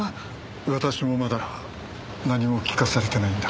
私もまだ何も聞かされてないんだ。